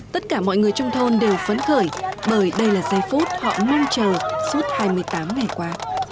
tất cả mọi người trong thôn đều phấn khởi bởi đây là giây phút họ mong chờ suốt hai mươi tám ngày qua